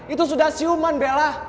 itu sudah siuman bella